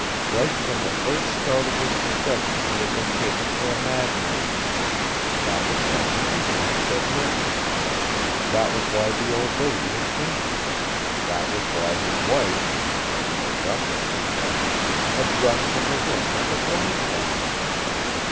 Right from the first start of his confession he had been taken for a mad man, that was why Venetia had said nothing, that was why the old lady had fainted, that was why his wife at least Rochester's wife, had run from the room like a blind woman.